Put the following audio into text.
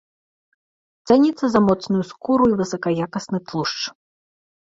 Цэніцца за моцную скуру і высакаякасны тлушч.